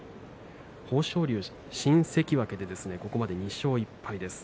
豊昇龍、新関脇でここまで２勝１敗です。